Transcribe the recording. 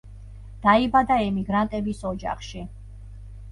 დაიბადა ემიგრანტების ოჯახში.